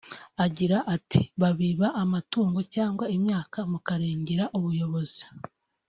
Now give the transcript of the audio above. Agira ati “Babiba amatungo cyangwa imyaka mukaregera ubuyobozi